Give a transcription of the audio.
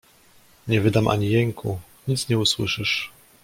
"Nie wydam ani jęku, nic nie usłyszysz!"